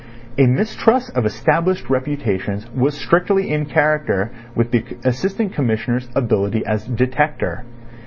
A mistrust of established reputations was strictly in character with the Assistant Commissioner's ability as detector.